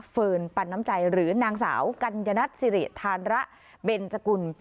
เฟิร์นปันน้ำใจหรือนางสาวกัญญนัทสิริธานระเบนจกุล